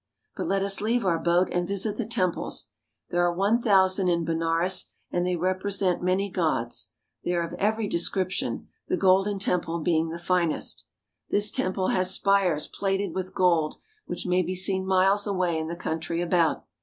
But let us leave our boat and visit the temples. There are one thousand in Benares, and they represent many gods. They are of every description, the Golden Temple being the finest. This temple has spires plated with gold, which may be seen miles away in the country about.